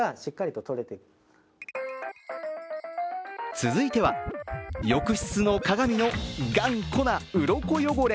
続いては浴室の鏡の頑固なうろこ汚れ。